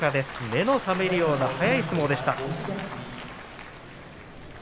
目の覚めるような速い相撲でした。